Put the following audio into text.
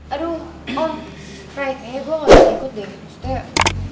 aduh om kayaknya gue gak bisa ikut deh